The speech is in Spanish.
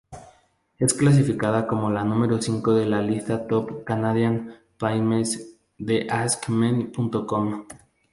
Es clasificada como la número cinco en la lista Top Canadian Playmates de AskMen.com.